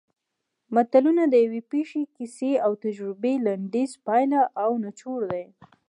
متلونه د یوې پېښې کیسې او تجربې لنډیز پایله او نچوړ دی